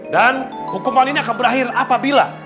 dan hukuman ini akan berakhir apabila